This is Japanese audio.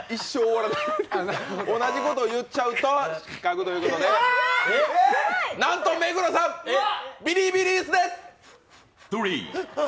同じこと言っちゃうと失格ということでなんと目黒さん、ビリビリ椅子です。